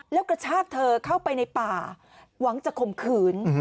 แล้วกระชากเธอเข้าไปในป่าหวังจะข่มขืน